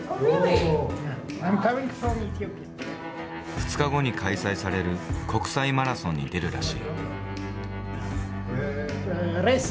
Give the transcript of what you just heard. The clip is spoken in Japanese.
２日後に開催される国際マラソンに出るらしい。